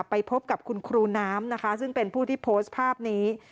ไปพบกับคุณครูน้ำนะคะซึ่งเป็นผู้ที่โพสต์ภาพนี้